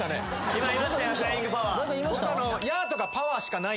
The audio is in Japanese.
今言いましたよ